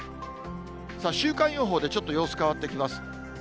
さあ、週間予報でちょっと様子変わってきます。